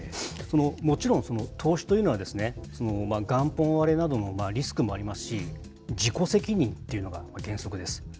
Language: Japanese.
もちろん投資というのは、元本割れなどのリスクもありますし、自己責任っていうのが原則です。